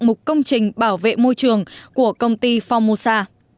mục công trình bảo vệ môi trường của công ty formosa